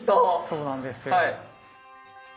そうなんですよ。